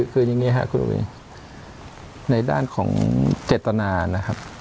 คือยังไงครับคุณอุวิในด้านของเจตนานะครับ